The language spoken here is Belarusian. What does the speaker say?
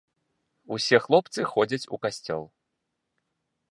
Усе хлопцы ходзяць у касцёл.